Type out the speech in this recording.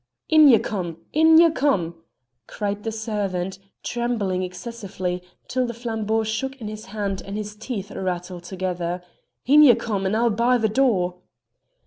"In ye come! in ye come!" cried the servant, trembling excessively till the flambeau shook in his hand and his teeth rattled together. "In ye come, and I'll bar the door."